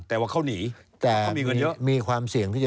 แต่ว่าเขาหนีเขามีเงินเยอะ